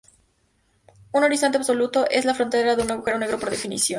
Un horizonte absoluto es la frontera de un agujero negro por definición.